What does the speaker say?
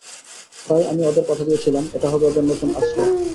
তাই, আমি ওদের কথা দিয়েছিলাম এটা হবে ওদের নতুন আশ্রয়।